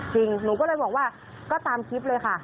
หนูก็เลยบอกว่าก็ตามคลิปเลยค่ะ